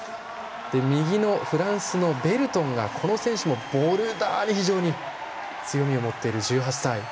右のフランスのベルトンもこの選手もボルダーに非常に強みを持っている１８歳。